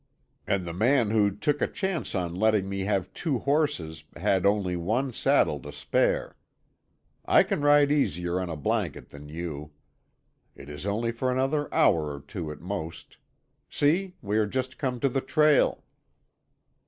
"And the man who took a chance on letting me have two horses had only one saddle to spare. I can ride easier on a blanket than you. It is only for another hour or two at most. See—we are just come to the trail."